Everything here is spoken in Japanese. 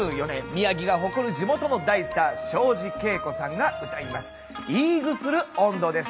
宮城が誇る地元の大スター庄司恵子さんが歌います『イーグスル音頭』です。